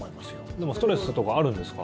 でも、ストレスとかあるんですか？